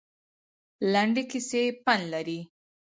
لنډې کیسې پند لري